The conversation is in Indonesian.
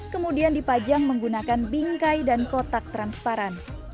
kemudian dipajang menggunakan bingkai dan kotak transparan